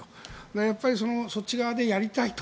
やっぱりそっち側でやりたいと。